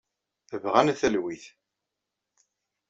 Bɣan talwit.